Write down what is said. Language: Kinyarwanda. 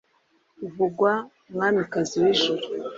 vugwa mwamikazi w’ijuru